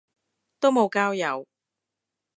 都無交友